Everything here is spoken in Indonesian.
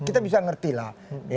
kita bisa ngerti lah